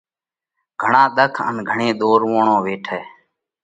گھڻا ۮک ان گھڻئِي ۮورووڻ ويٺئِي۔